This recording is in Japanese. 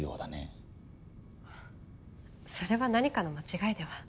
それは何かの間違いでは？